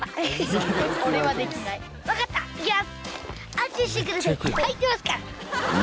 安心してください